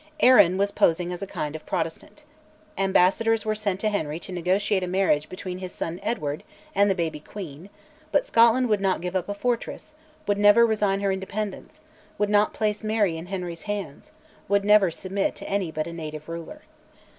Arran was posing as a kind of Protestant. Ambassadors were sent to Henry to negotiate a marriage between his son Edward and the baby Queen; but Scotland would not give up a fortress, would never resign her independence, would not place Mary in Henry's hands, would never submit to any but a native ruler.